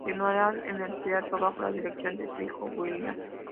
Continuarían en el teatro bajo la dirección de su hijo William.